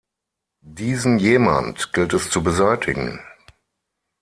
Diesen Jemand gilt es zu beseitigen.